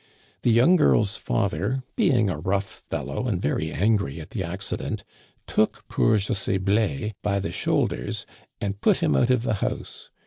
The young girl's father, be ing a rough fellow and very angry at the accident, took poor José Biais by the shoulders and put him out of the house.